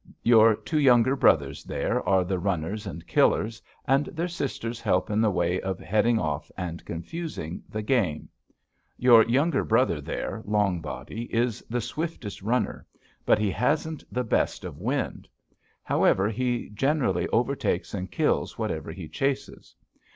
Your two younger brothers there are the runners and killers, and their sisters help in the way of heading off and confusing the game. Your younger brother there, Long Body, is the swiftest runner, but he hasn't the best of wind. However, he generally overtakes and kills whatever he chases.